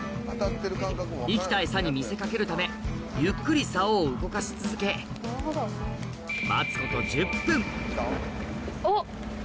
生きた餌に見せ掛けるためゆっくり竿を動かし続けおっ！